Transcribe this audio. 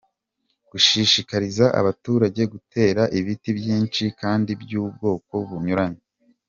a. Gushishikariza abaturage gutera ibiti byinshi kandi by’ubwoko bunyuranye ;